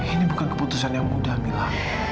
ini bukan keputusan yang mudah mila